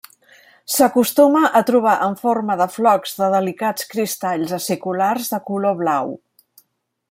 S'acostuma a trobar en forma de flocs de delicats cristalls aciculars de color blau.